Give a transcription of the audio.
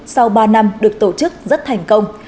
sau ba năm được tổ chức rất thành công